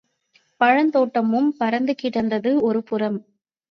பழத்தோட்டமும் பரந்து கிடந்தது ஒருபுறம்.